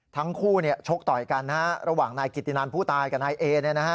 ทั้งคู่ชกต่อยกันระหว่างนายกิตินันผู้ตายกับนายเอ